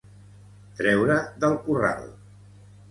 Treure del corral.